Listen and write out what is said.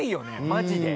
マジで。